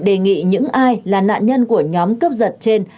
đề nghị những ai là nạn nhân của nhóm cướp giật trên